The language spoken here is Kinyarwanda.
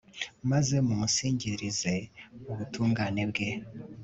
maze mumusingirize ubutungane bwe